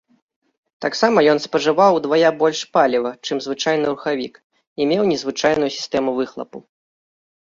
Таксама ён спажываў ўдвая больш паліва, чым звычайны рухавік, і меў незвычайную сістэму выхлапу.